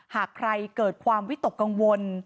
หากใครเกิดความวิตกกังวล